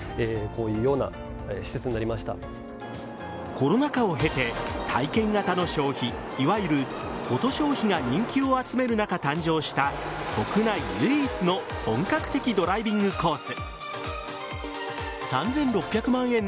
コロナ禍を経て、体験型の消費いわゆるコト消費が人気を集める中、誕生した国内唯一の本格的ドライビングコース。